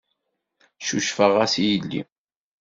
Cucfeɣ-as i yelli.